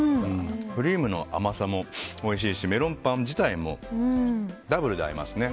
クリームの甘さもおいしいしメロンパン自体もダブルで合いますね。